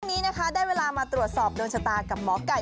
วันนี้นะคะได้เวลามาตรวจสอบโดนชะตากับหมอไก่